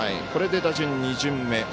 これで打順２巡目。